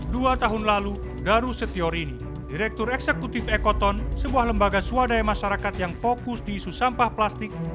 dua tahun lalu daru setiorini direktur eksekutif ekoton sebuah lembaga swadaya masyarakat yang fokus di isu sampah plastik